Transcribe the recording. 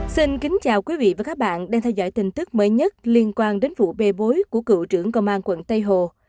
xin kính chào quý vị và các bạn đang theo dõi tin tức mới nhất liên quan đến vụ bê bối của cựu trưởng công an quận tây hồ